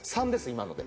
今ので。